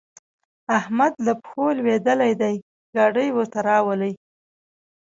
احمد له پښو لوېدلی دی؛ ګاډی ورته راولي.